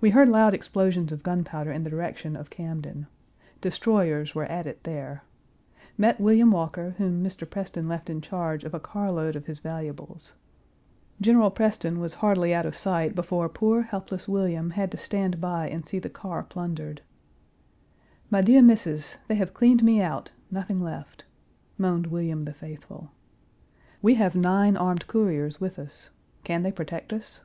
We heard loud explosions of gunpowder in the direction of Camden. Destroyers were at it there. Met William Walker, whom Mr. Preston left in charge of a car load of his valuables. General Preston was hardly out of sight before poor helpless William had to stand by and see the car plundered. "My dear Missis! they have cleaned me out, nothing left," moaned William the faithful. We have nine armed couriers with us. Can they protect us?